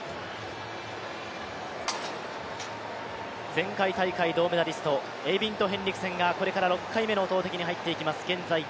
前回大会銅メダリスト、エイビンド・ヘンリクセンがこれから６回目の投てきに入っていきます。